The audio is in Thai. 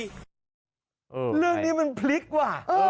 เนี่ยเรื่องนี้มันทริกว่า